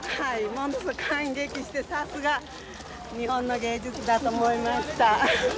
ものすごく感激してさすが日本の芸術だと思いました。